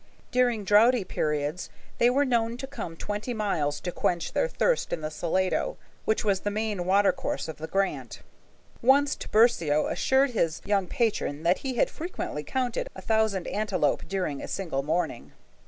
During drouthy periods they were known to come twenty miles to quench their thirst in the Salado, which was the main watercourse of this grant. Once Tiburcio assured his young patron that he had frequently counted a thousand antelope during a single morning.